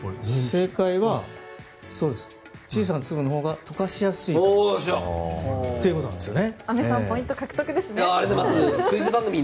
正解は小さな粒のほうが溶かしやすいからということなんですよね。